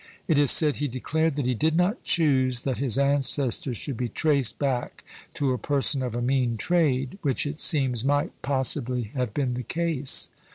It is said he declared that he did not choose that his ancestors should be traced back to a person of a mean trade, which it seems might possibly have been the case.